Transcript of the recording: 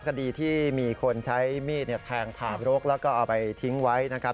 คดีที่มีคนใช้มีดแทงถาบรกแล้วก็เอาไปทิ้งไว้นะครับ